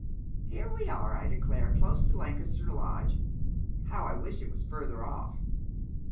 Hei'e we are, I declare, close to Lancaster Lodge ! How I wish it was further off